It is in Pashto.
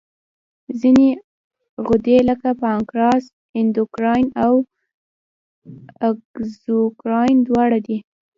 ځینې غدې لکه پانکراس اندوکراین او اګزوکراین دواړه دي.